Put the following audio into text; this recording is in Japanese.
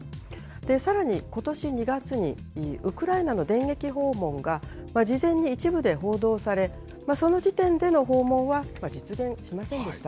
さらに、ことし２月にウクライナの電撃訪問が事前に一部で報道されその時点での訪問は実現しませんでした。